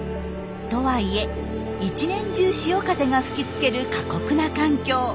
とはいえ一年中潮風が吹きつける過酷な環境。